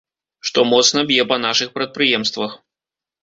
Што моцна б'е па нашых прадпрыемствах.